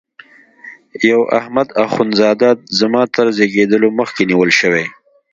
یو احمد اخوند زاده زما تر زیږېدلو مخکي نیول شوی.